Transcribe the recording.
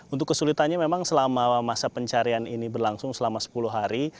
untuk kesulitannya memang selama masa pencarian ini berlangsung selama sepuluh hari